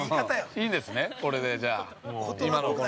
いいんですね、これで、じゃあ今の、この。